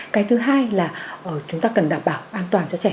cái thứ hai là chúng ta cần đảm bảo an toàn cho trẻ